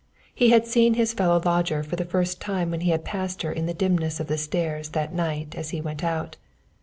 He had seen his fellow lodger for the first time when he had passed her in the dimness of the stairs that night as he went out.